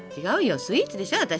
違うよスイーツでしょ？